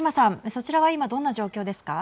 そちらは今、どんな状況ですか。